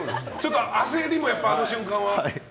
焦りもあの瞬間は。